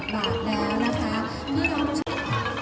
สวัสดีครับข้างหลังครับ